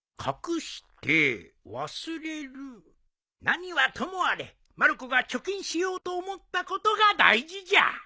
何はともあれまる子が貯金しようと思ったことが大事じゃ。